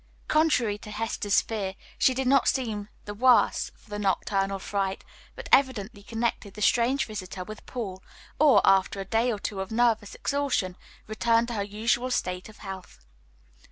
Contrary to Hester's fear, she did not seem the worse for the nocturnal fright, but evidently connected the strange visitor with Paul, or, after a day or two of nervous exhaustion, returned to her usual state of health.